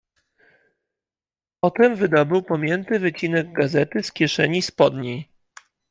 "Potem wydobył pomięty wycinek gazety z kieszeni spodniej."